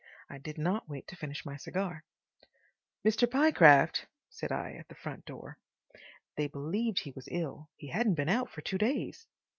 I did not wait to finish my cigar. "Mr. Pyecraft?" said I, at the front door. They believed he was ill; he hadn't been out for two days.